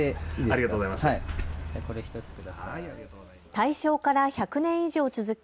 大正から１００年以上続く